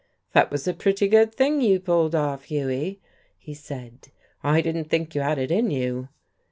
"That was a pretty good thing you pulled off, Hughie," he said. "I didn't think you had it in you."